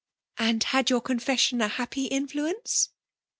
'''' And had your eonfiession a happy in fiuence?"